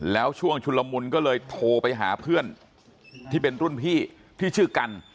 แล้วช่วงชุลมุนก็เลยโทรไปหาเพื่อนที่เป็นรุ่นพี่ที่ชื่อกัน